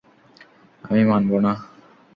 আমি মানবো না।